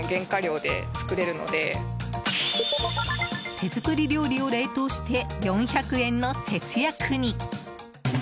手作り料理を冷凍して４００円の節約に。